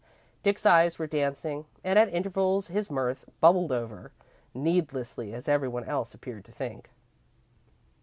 Dick's eyes were dancing and at intervals his mirth bubbled over, needlessly, as every one else appeared to think.